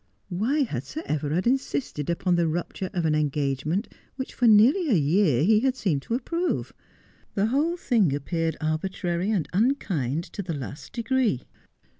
Why had Sir Everard insisted upon the rupture of an engagement which for nearly a year he had seemed to approve ? The whole thing appeared arbitrary and unkind to the last degree.